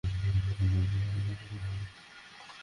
আর মেহরি বলেছে আমাকে।